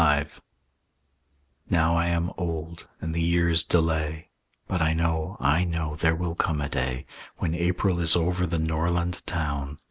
V Now I am old, and the years delay; But I know, I know, there will come a day, When April is over the Norland town.